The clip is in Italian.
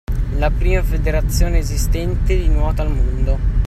La prima federazione esistente di nuoto al mondo